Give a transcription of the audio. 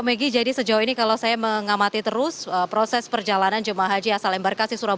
maggie jadi sejauh ini kalau saya mengamati terus proses perjalanan jemaah haji asal embarkasi surabaya